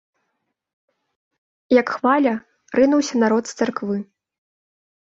Як хваля, рынуўся народ з царквы.